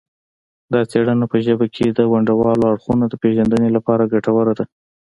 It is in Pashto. دا څیړنه په ژبه کې د ونډوالو اړخونو د پیژندنې لپاره ګټوره ده